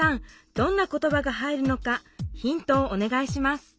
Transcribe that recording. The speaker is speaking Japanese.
どんな言ばが入るのかヒントをお願いします